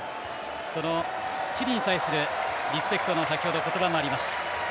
そのチリに対するリスペクトの言葉も先ほどありました。